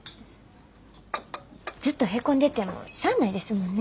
ずっとヘコんでてもしゃあないですもんね。